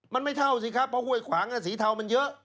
มันไม่เท่าสิครับเพราะห้วยขวางสีเทามันเยอะ